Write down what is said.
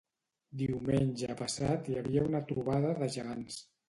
Diumenge passat hi havia una trobada de gegants